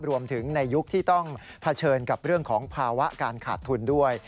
รวมถึงในยุคที่ต้องเผชิญกับเรื่องของภาวะการขาดทุนด้วย